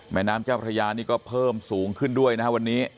แม่น้ำเจ้าพระยานี่ก็เพิ่มสูงขึ้นด้วยนะครับวันนี้